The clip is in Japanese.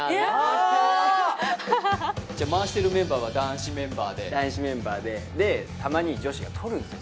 じゃあ回してるメンバーは男子メンバーで男子メンバーででたまに女子が取るんですよ